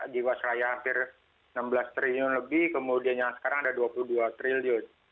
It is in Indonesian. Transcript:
jiwasraya hampir enam belas triliun lebih kemudian yang sekarang ada dua puluh dua triliun